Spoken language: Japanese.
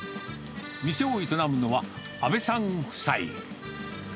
店を営むのは、阿部さん夫妻。